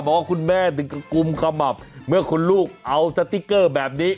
บอกว่าคุณแม่คุมคำอาบเมื่อคุณลูกเอาสติ๊กเกอร์แบบนี้